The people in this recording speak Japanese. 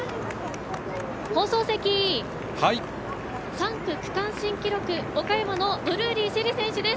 放送席、３区の区間新記録岡山のドルーリー朱瑛里選手です。